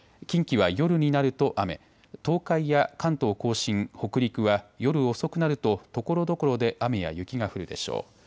近畿は夜になると雨、東海や関東甲信、北陸は夜遅くなるとところどころで雨や雪が降るでしょう。